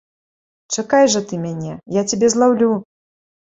Чакай жа ты мяне, я цябе злаўлю!